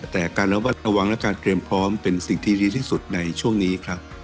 แต่การระวัดระวังและการเตรียมพร้อมเป็นสิ่งที่ดีที่สุดในช่วงนี้ครับ